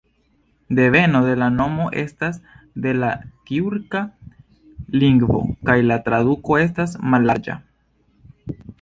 Deveno de la nomo estas de la tjurka lingvo kaj la traduko estas "mallarĝa".